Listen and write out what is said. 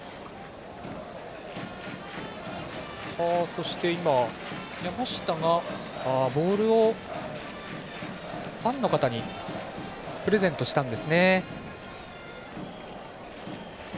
そして今、山下がボールをファンの方にプレゼントしたんですね。